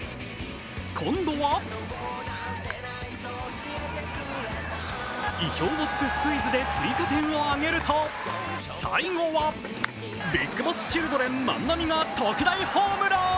今度は意表のつくスクイズで追加点を上げると最後はＢＩＧＢＯＳＳチルドレン万波が特大ホームラン。